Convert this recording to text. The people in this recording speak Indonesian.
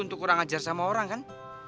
untuk kurang ajar sama orang kan